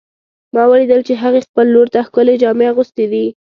ما ولیدل چې هغې خپل لور ته ښکلې جامې اغوستې دي